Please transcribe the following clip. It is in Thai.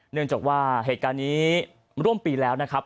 เนื่องจากว่าเหตุการณ์นี้ร่วมปีแล้วนะครับ